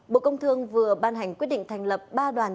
bộ công thương vừa ban hành quyết định thành lập ba đoàn